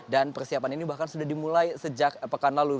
dan persiapan ini bahkan sudah dimulai sejak pekan lalu